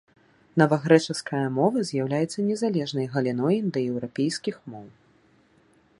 Навагрэчаская мова з'яўляецца незалежнай галіной індаеўрапейскіх моў.